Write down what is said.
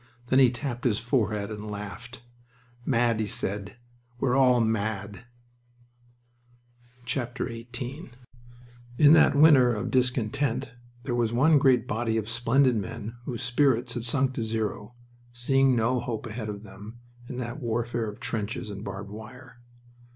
Then he tapped his forehead and laughed. "Mad!" he said. "We're all mad!" XVIII In that winter of discontent there was one great body of splendid men whose spirits had sunk to zero, seeing no hope ahead of them in that warfare of trenches and barbed wire.